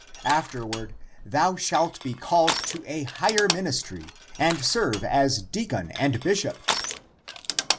Afterward thou shalt be called to a higher ministry and serve as deacon and bishop."